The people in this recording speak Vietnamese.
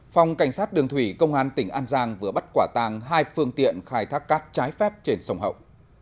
phòng cảnh sát đường thủy công an tỉnh an giang vừa bắt quả tàng hai phương tiện khai thác cát trái phép trên sông hậu